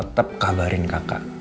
tetep kabarin kakak